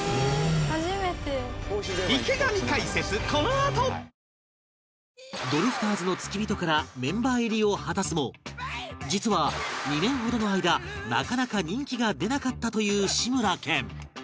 あドリフターズの付き人からメンバー入りを果たすも実は２年ほどの間なかなか人気が出なかったという志村けん